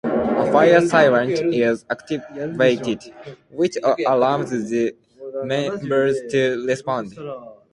A fire siren is activated, which alerts the members to respond.